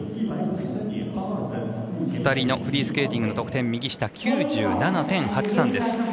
２人のフリースケーティングの得点、９７．８３です。